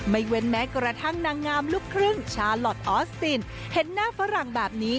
เว้นแม้กระทั่งนางงามลูกครึ่งชาลอทออสซินเห็นหน้าฝรั่งแบบนี้